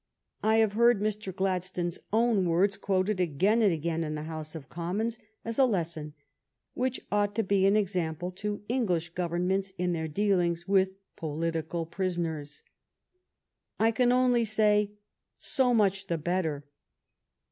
I have heard Mr. Gladstone s own words quoted again and again in the House of Commons as a lesson which ought to be an example to English Governments in their dealings with political pris oners. I can only say, so much the better.